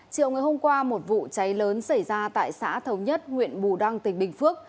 chiều ngày hôm qua một vụ cháy lớn xảy ra tại xã thống nhất huyện bù đăng tỉnh bình phước